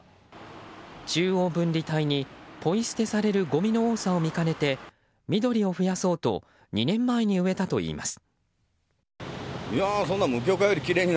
中央分離帯にポイ捨てされるごみの多さを見かねて緑を増やそうと２年前に植えたといいます。